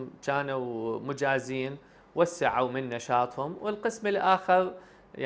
sebagian dari mereka sudah siap dan mengembangkan kemampuan mereka